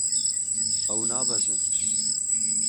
Ew nabeze.